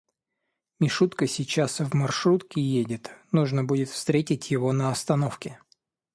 Мишутка сейчас в маршрутке едет, нужно будет встретить его на остановке.